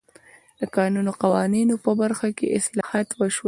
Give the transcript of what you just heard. د کانونو قوانینو په برخه کې اصلاحات وشول.